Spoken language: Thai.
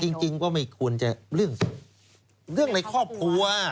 จริงก็ไม่ควรจะเรื่องในครอบครัว